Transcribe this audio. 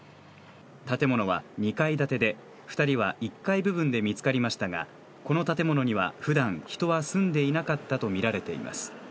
建物は２階建てで、２人は１階部分で見つかりましたが、この建物には普段、人は住んでいなかったとみられています。